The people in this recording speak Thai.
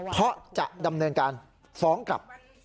เพราะจะดำเนินการฟ้องกลับ